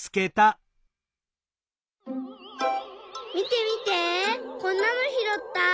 みてみてこんなのひろった！